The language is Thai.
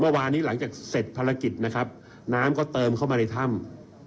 วานี้หลังจากเสร็จภารกิจนะครับน้ำก็เติมเข้ามาในถ้ำ